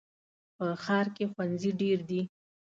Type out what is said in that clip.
په ښار کې ښوونځي ډېر دي.